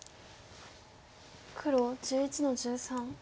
黒１１の十三ツギ。